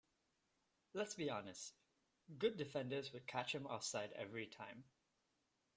Let's be honest, good defenders would catch him offside every time.